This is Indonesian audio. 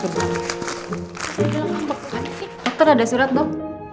dokter ada surat dok